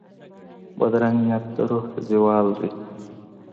بدرنګه نیت د روح زوال وي